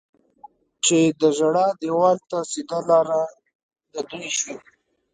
چې د ژړا دېوال ته سیده لاره د دوی شي.